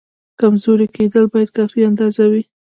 کمزوری کېدل باید کافي اندازه وي.